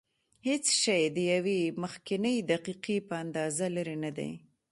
هېڅ شی د یوې مخکنۍ دقیقې په اندازه لرې نه دی.